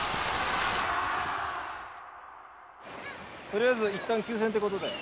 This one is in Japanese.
とりあえず一旦休戦ってことで。